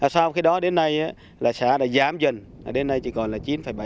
sau khi đó đến nay là xã đã giảm dần đến nay chỉ còn là chín bảy